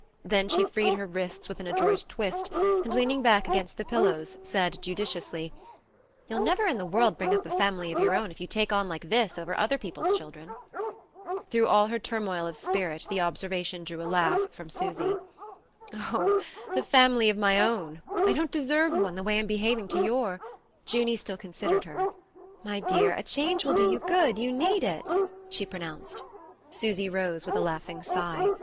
Then she freed her wrists with an adroit twist, and leaning back against the pillows said judiciously: "You'll never in the world bring up a family of your own if you take on like this over other people's children." Through all her turmoil of spirit the observation drew a laugh from Susy. "Oh, a family of my own I don't deserve one, the way I'm behaving to your " Junie still considered her. "My dear, a change will do you good: you need it," she pronounced. Susy rose with a laughing sigh.